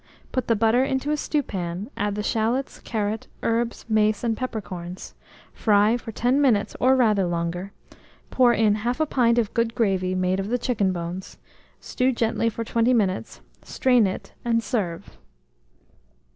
Put the butter into a stewpan, add the shalots, carrot, herbs, mace, and peppercorns; fry for 10 minutes or rather longer; pour in 1/2 pint of good gravy, made of the chicken bones, stew gently for 20 minutes, strain it, and serve.